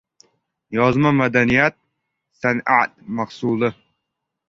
Yozma madaniyat, san’at mahsuli.